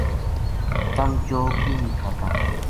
تم چوگ کیوں نیہہ کھاتا